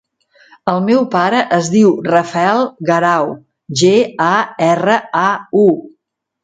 El meu pare es diu Rafael Garau: ge, a, erra, a, u.